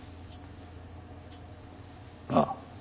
ああ。